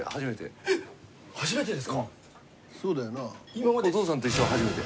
今までお父さんと一緒初めて。